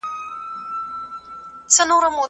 په زرینو کرښو یې ولیکئ.